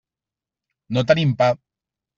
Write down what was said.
No tenim pa.